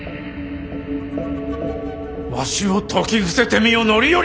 わしを説き伏せてみよ範頼！